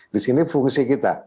di sini fungsi kita